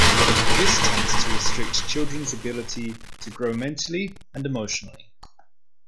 This tends to restrict children's ability to grow mentally, and emotionally.